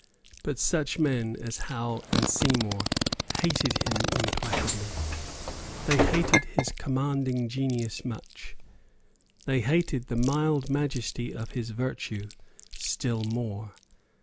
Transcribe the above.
But such men as Howe and Seymour hated him implacably; they hated his commanding genius much; they hated the mild majesty of his virtue still more.